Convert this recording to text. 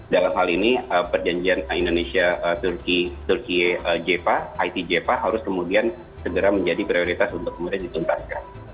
dalam hal ini perjanjian indonesia turkiye jepa it jepa harus kemudian segera menjadi prioritas untuk kemudian dituntaskan